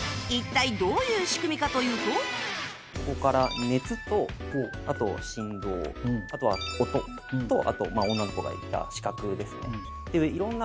ここから熱とあと振動あとは音とあと女の子がいた視覚ですね。